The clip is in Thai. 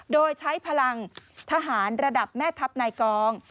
โดยใช้พลังทหารระดับแม่ทัพนายกอง